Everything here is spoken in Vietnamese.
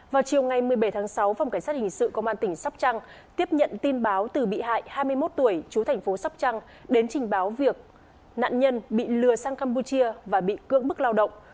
vào chiều ngày một mươi bảy tháng sáu phòng cảnh sát hình sự công an tỉnh sóc trăng tiếp nhận tin báo từ bị hại hai mươi một tuổi chú thành phố sóc trăng đến trình báo việc nạn nhân bị lừa sang campuchia và bị cưỡng bức lao động